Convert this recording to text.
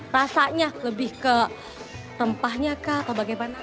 rasanya lebih ke rempahnya kah atau bagaimana